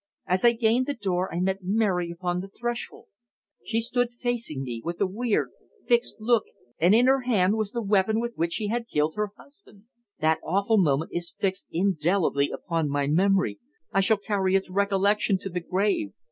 As I gained the door I met Mary upon the threshold. She stood facing me with a weird, fixed look, and in her hand was the weapon with which she had killed her husband. That awful moment is fixed indelibly upon my memory. I shall carry its recollection to the grave.